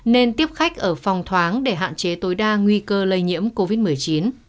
nên tiếp khách ở phòng thoáng để hạn chế tối đa nguy cơ lây nhiễm covid một mươi chín